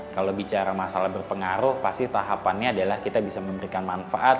kalau bicara masalah berpengaruh pasti tahapannya adalah kita bisa memberikan manfaat